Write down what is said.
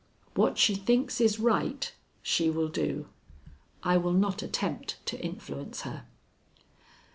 What she thinks is right, she will do. I will not attempt to influence her."